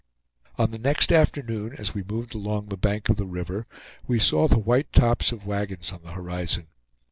On the next afternoon, as we moved along the bank of the river, we saw the white tops of wagons on the horizon.